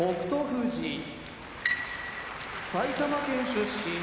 富士埼玉県出身